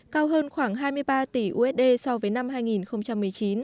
cao hơn khoảng hai mươi ba tỷ usd so với năm hai nghìn một mươi chín